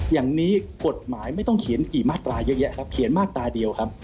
อย่างนี้กฎหมายไม่ต้องเขียนกี่มาตราเยอะแยะครับเขียนมาตราเดียวครับ